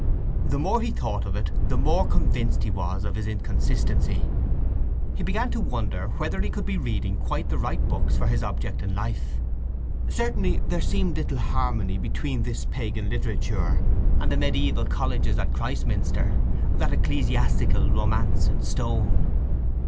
The more he thought of it the more convinced he was of his inconsistency. He began to wonder whether he could be reading quite the right books for his object in life. Certainly there seemed little harmony between this pagan literature and the mediæval colleges at Christminster, that ecclesiastical romance in stone.